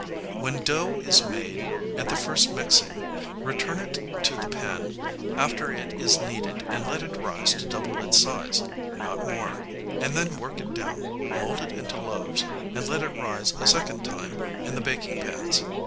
] When dough is made at the first mixing, return it to the pan after it is kneaded and let it rise to double its size (not more), and then work it down, mold it into loaves, and let it rise a second time in the baking pans.